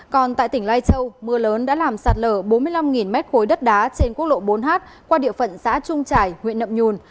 còn tại tỉnh lai châu mưa lớn đã làm sạt lở bốn mươi năm mét khối đất đá trên quốc lộ bốn h qua địa phận xã trung trải huyện nậm nhùn